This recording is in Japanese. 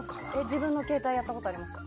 自分の携帯やったことありますか？